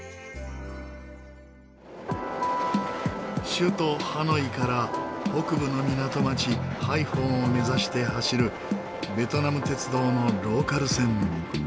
首都ハノイから北部の港町ハイフォンを目指して走るベトナム鉄道のローカル線。